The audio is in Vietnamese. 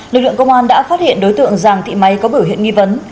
lực lượng công an đã phát hiện đối tượng giàng thị máy có biểu hiện nghi vấn